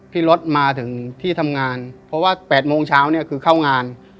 พี่รถมาถึงที่ทำงานเพราะว่า๘โมงเช้าเนี่ยคือเข้างาน